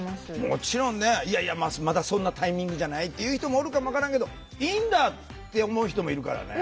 もちろんねいやいやまだそんなタイミングじゃないっていう人もおるかも分からんけどいいんだって思う人もいるからね。